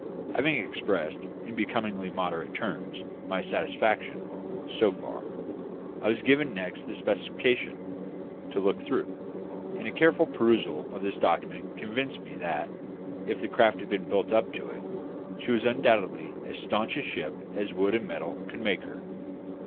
Having expressed, in becomingly moderate terms, my satisfaction, so far, I was next given the specification to look through; and a careful perusal of this document convinced me that, if the craft had been built up to it, she was undoubtedly as staunch a ship as wood and metal could make her.